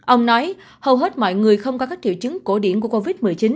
ông nói hầu hết mọi người không có các triệu chứng cổ điển của covid một mươi chín